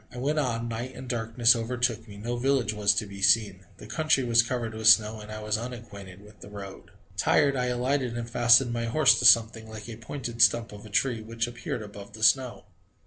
I went on: night and darkness overtook me. No village was to be seen. The country was covered with snow and I was unacquainted with the road. Tired, I alighted and fastened my horse to something, like a pointed stump of a tree, which appeared above the snow.